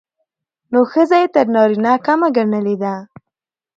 نو ښځه يې تر نارينه کمه ګڼلې ده.